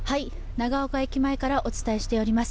長岡駅前からお伝えしております。